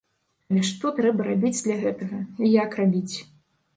Але што трэба рабіць для гэтага, і як рабіць?